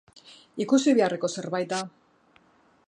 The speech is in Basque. Ikusi beharreko zerbait da.